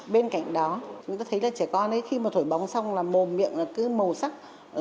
bên cạnh đó chúng ta thấy là trẻ con ấy khi mà thổi bóng xong là mồm miệng là cứ màu sắc